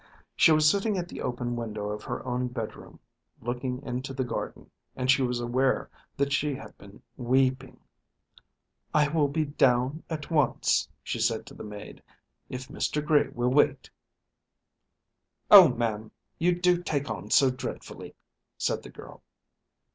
She was sitting at the open window of her own bedroom, looking into the garden, and she was aware that she had been weeping. "I will be down at once," she said to the maid, "if Mr. Gray will wait." "Oh, ma'am, you do take on so dreadfully!" said the girl.